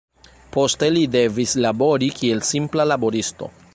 Poste li devis labori kiel simpla laboristo.